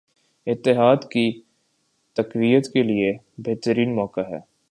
اتحاد کی تقویت کیلئے بہترین موقع ہے